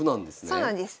そうなんです。